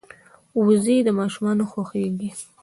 وزې د ماشومانو خوښېږي